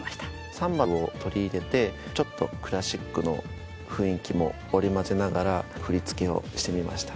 サンバを取り入れてちょっとクラシックの雰囲気も織り交ぜながら振り付けをしてみました。